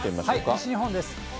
西日本です。